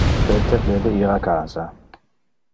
Peter debe ir casa.